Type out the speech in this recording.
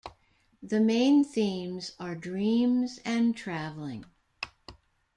The main themes are dreams and traveling.